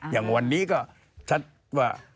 อย่างวันนี้ก็ชัดว่า